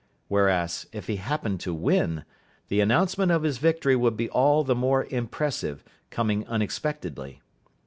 Whereas, if he happened to win, the announcement of his victory would be all the more impressive, coming unexpectedly.